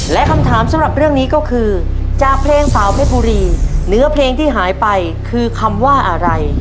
และคำถามสำหรับเรื่องนี้ก็คือจากเพลงสาวเพชรบุรีเนื้อเพลงที่หายไปคือคำว่าอะไร